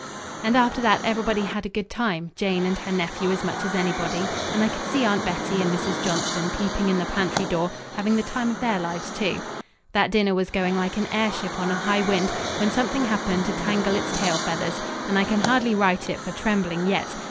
And after that everybody had a good time, Jane and her nephew as much as anybody, and I could see Aunt Bettie and Mrs. Johnson peeping in the pantry door, having the time of their lives, too. That dinner was going like an airship on a high wind, when something happened to tangle its tail feathers, and I can hardly write it for trembling yet.